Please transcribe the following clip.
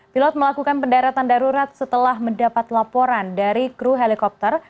pilot melakukan pendaratan darurat setelah mendapat laporan dari kru helikopter